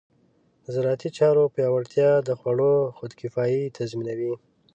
د زراعتي چارو پیاوړتیا د خوړو خودکفایي تضمینوي.